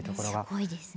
すごいですね。